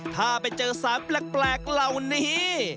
ถ้าไปเจอสารแปลกเหล่านี้